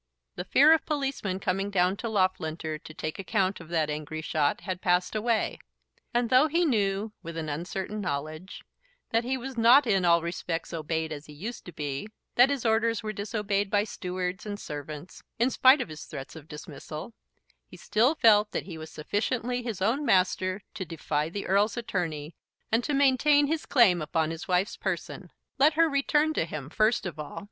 The fear of policemen coming down to Loughlinter to take account of that angry shot had passed away; and, though he knew, with an uncertain knowledge, that he was not in all respects obeyed as he used to be, that his orders were disobeyed by stewards and servants, in spite of his threats of dismissal, he still felt that he was sufficiently his own master to defy the Earl's attorney and to maintain his claim upon his wife's person. Let her return to him first of all!